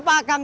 ya udah kang